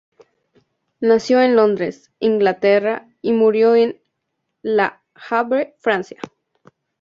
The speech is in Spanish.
Nació en Londres, Inglaterra y murió en Le Havre, Francia.